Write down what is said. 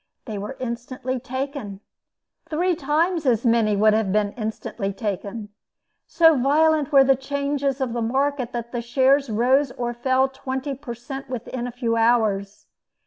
They were instantly taken. Three times as many would have been instantly taken. So violent were the changes of the market, that shares rose or fell twenty per cent. within a few hours.